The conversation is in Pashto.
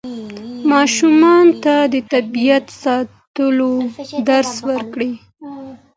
ماشومانو ته د طبیعت ساتلو درس ورکړئ.